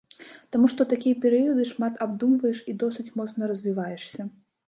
Таму што ў такія перыяды шмат абдумваеш і досыць моцна развіваешся.